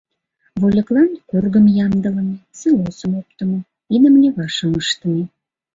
Вольыклан кургым ямдылыме, силосым оптымо, идым левашым ыштыме.